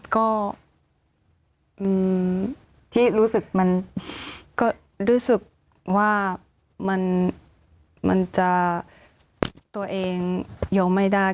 ก็ที่รู้สึกมันก็รู้สึกว่ามันจะตัวเองยอมไม่ได้